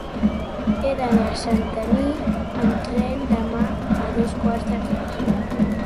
He d'anar a Santanyí amb tren demà a dos quarts de tres.